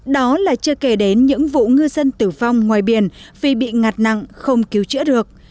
đó là chưa kể đến những vụ ngư dân tử vong ngoài biển vì bị ngặt nặng không cứu chữa được